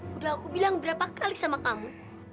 udah aku bilang berapa kali sama kamu